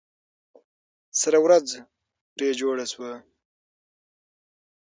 سره ورځ پرې جوړه سوه.